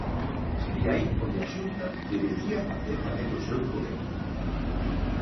Sería aí onde a Xunta debería facer valer o seu poder.